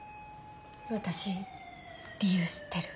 私理由知ってる。